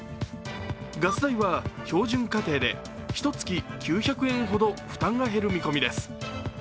ガス代は、標準家庭で、ひとつき９００円ほど負担が減る見込みです。